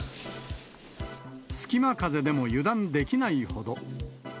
隙間風でも油断できないほど。